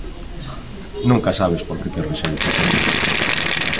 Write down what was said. Nunca sabes por que te rexeitan.